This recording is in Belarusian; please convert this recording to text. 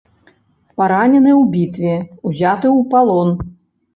Паранены ў бітве, узяты ў палон.